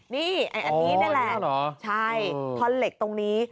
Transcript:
นี่อันนี้นี่แหละใช่ท่อนเหล็กตรงนี้